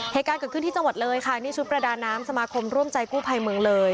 เหตุการณ์เกิดขึ้นที่จังหวัดเลยค่ะนี่ชุดประดาน้ำสมาคมร่วมใจกู้ภัยเมืองเลย